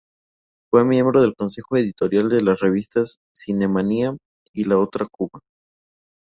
Fue miembro del consejo editorial de las revistas "Cinemanía" y "La Otra Cuba".